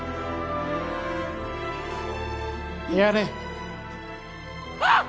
やれあっ！